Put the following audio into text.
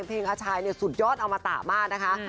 เพลงอาชายเนี่ยสุดยอดเอามาตามมานะคะ